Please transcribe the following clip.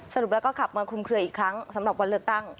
สรุปแล้วก็ขับมาคลุมเคลืออีกครั้งสำหรับวันเลือกตั้ง